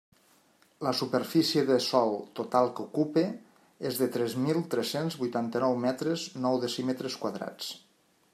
La superfície de sòl total que ocupa és de tres mil tres-cents vuitanta-nou metres, nou decímetres quadrats.